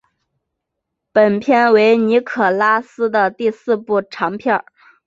本片为尼可拉斯的第四部长片。